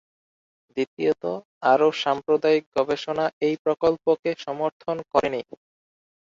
দ্বিতীয়ত, আরও সাম্প্রতিক গবেষণা এই প্রকল্পকে সমর্থন করেনি।